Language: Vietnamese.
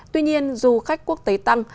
tuy nhiên dù khách quốc tế tăng